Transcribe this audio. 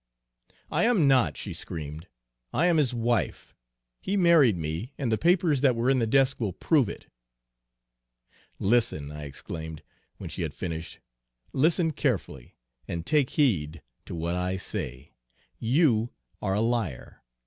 "'I am not,' she screamed; 'I am his wife. He married me, and the papers that were in the desk will prove it.' "'Listen,' I exclaimed, when she had finished, 'listen carefully, and take heed to what I say. You are a liar.